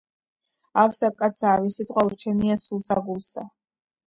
ავსა კაცსა ავი სიტყვა ურჩევნია სულსა, გულსა.